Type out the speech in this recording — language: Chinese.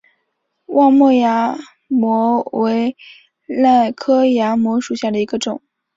望谟崖摩为楝科崖摩属下的一个种。